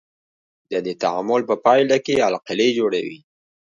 د دې تعامل په پایله کې القلي جوړوي.